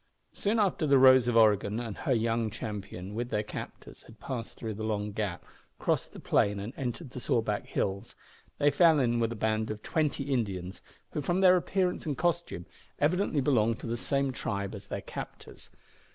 Soon after the Rose of Oregon and her young champion, with their captors, had passed through the Long Gap, crossed the plain, and entered the Sawback Hills, they fell in with a band of twenty Indians, who from their appearance and costume evidently belonged to the same tribe as their captors.